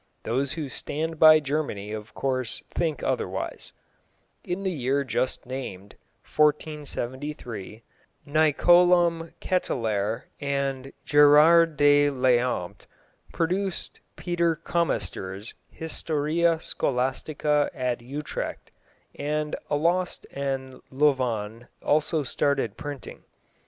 Those who stand by Germany of course think otherwise. In the year just named 1473 Nycolaum Ketelaer and Gerard de Leempt produced Peter Comestor's Historia Scholastica at Utrecht, and Alost and Louvain also started printing.